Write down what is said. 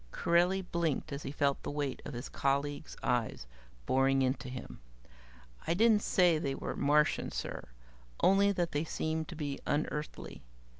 Corelli blinked as he felt the weight of his colleagues' eyes boring into him. "I didn't say they were Martian, sir only that they seemed to be unearthly.